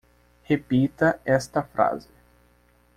Repita esta frase